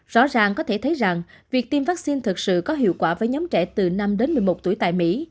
rõ ràng có thể thấy rằng việc tiêm vaccine thật sự có hiệu quả với nhóm trẻ từ năm đến một mươi một tuổi tại mỹ